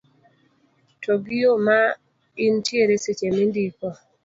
to gi yo ma intiere seche mindiko